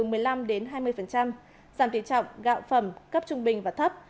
giảm tỷ trọng gạo phẩm cấp trung bình và thấp